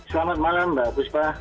selamat malam mbak buspa